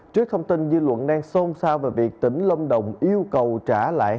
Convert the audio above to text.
trước thông tin dư luận đang xôn xao về việc tỉnh lâm đồng yêu cầu trả lại